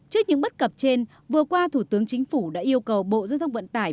trước những bất cập trên vừa qua thủ tướng chính phủ đã yêu cầu bộ giao thông vận tải